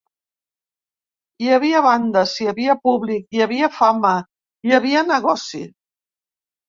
Hi havia bandes, hi havia públic, hi havia fama, hi havia negoci.